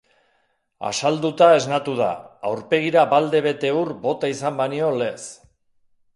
Asaldatuta esnatu da, aurpegira balde bete ur bota izan banio lez.